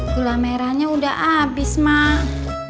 gula merahnya udah abis mak